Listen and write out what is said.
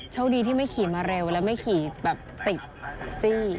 โชคดีที่ไม่ขี่มาเร็วแล้วไม่ขี่แบบติดจี้